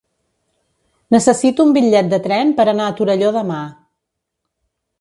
Necessito un bitllet de tren per anar a Torelló demà.